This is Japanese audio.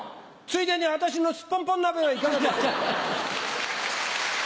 ついでに私のすっぽんぽん鍋はいかがでしょう？